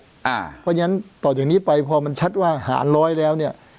เพราะฉะนั้นต่อจากนี้ไปพอมันชัดว่าหารร้อยแล้วเนี่ย